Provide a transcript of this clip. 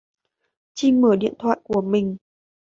Trinh mở điện thoại của mình